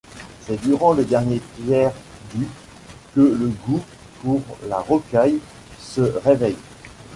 C'est durant le dernier tiers du que le goût pour la rocaille se réveille.